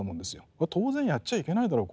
これ当然やっちゃいけないだろう